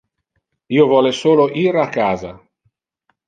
Io vole solo ir a casa.